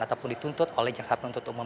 ataupun dituntut oleh jaksa penuntut umum